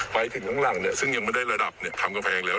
ไปถึงข้างหลังเนี่ยซึ่งยังไม่ได้ระดับทำกำแพงแล้ว